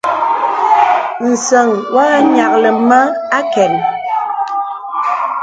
Nsəŋ wɔ nyìaklì mə àkən.